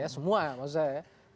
semua maksud saya ya